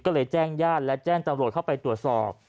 ก็เลยแจ้งญาติและแจ้งตำรวจเข้าไปตรวจสอบ